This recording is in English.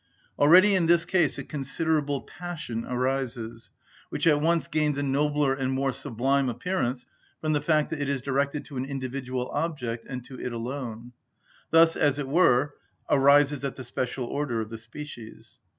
Already in this case a considerable passion arises, which at once gains a nobler and more sublime appearance from the fact that it is directed to an individual object, and to it alone; thus, as it were, arises at the special order of the species.